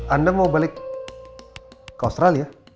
anda mau balik ke australia